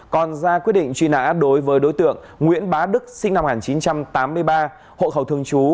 còn ra quyết định truy nã đối với đối tượng nguyễn bá đức sinh năm một nghìn chín trăm tám mươi ba hộ khẩu thường trú